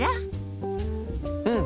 うん！